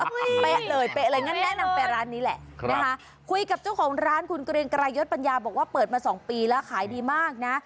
เป๊ะเลยเป๊ะเลยงั้นแนะนำไปร้านนี้แหละนะคะคุยกับเจ้าของร้านคุณเกรียงไกรยศปัญญาบอกว่าเปิดมาสองปีแล้วขายดีมากนะ